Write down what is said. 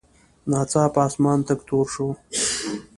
ناڅاپه اسمان تک تور شو.